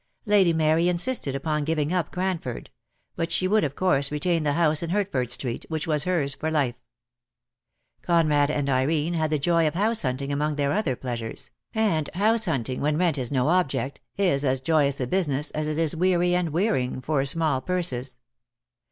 Lady Mary insisted upon giving up Cranford; but she would of course retain the house in Hertford Street, which was hers for life. Conrad and Irene had the joy of DEAD LOVE HAS CHAINS. 1 97 house hunting among their other pleasures; and house hunting, when rent is no object, is as joyous a business as it is weary and wearing for small purses.